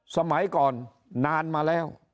สมัยก่อนนานมาแล้ว